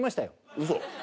ウソ！？